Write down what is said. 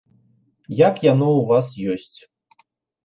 Як яно ў вас ёсць.